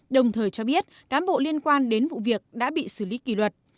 đồng thời cho biết cán bộ liên quan đến vụ việc đã bị xử lý kỷ luật